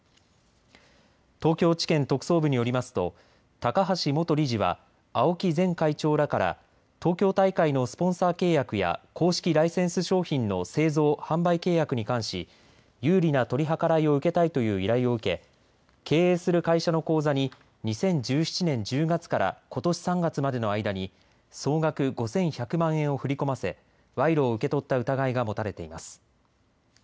東京地検特捜部によりますと高橋元理事は青木前会長らから東京大会のスポンサー契約や公式ライセンス商品の製造・販売契約に関し有利な取り計らいを受けたいという依頼を受け経営する会社の口座に２０１７年１０月からことし３月までの間に総額５１００万円を振り込ませ賄賂を受け取った疑いが持たれています。